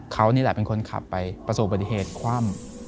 เขานี่แหละเป็นคนขับไปประสูจน์บริเทศคว่ำ